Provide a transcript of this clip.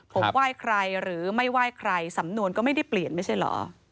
ผมว่ายใครหรือไม่ว่ายใคร